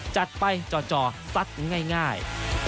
จัดไปจ่อซัดง่าย